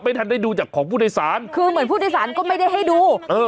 ทันได้ดูจากของผู้โดยสารคือเหมือนผู้โดยสารก็ไม่ได้ให้ดูเออ